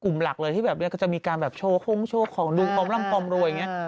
กลุ่มหลักเลยที่จะมีการโชว์ของดูความลำคอมเก่า